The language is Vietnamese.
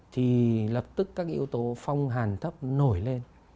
thì lập tức các cái yếu tố phong hàn thấp nổi lên